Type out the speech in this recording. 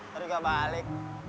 nanti juga balik